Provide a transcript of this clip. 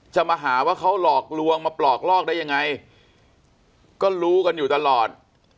มาหาว่าเขาหลอกลวงมาปลอกลอกได้ยังไงก็รู้กันอยู่ตลอด